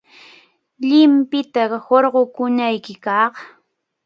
Llipinta hurqukunayki kaq.